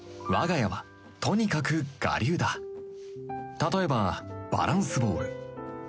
例えばバランスボール